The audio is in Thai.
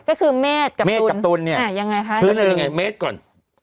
ก็คือเมฆกับตุ๋นคือเนี่ยเมฆก่อน